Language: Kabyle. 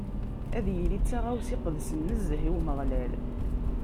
Ad yili d taɣawsa iqedsen nezzeh i Umeɣlal.